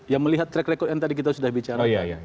ya melihat track record yang tadi kita sudah bicara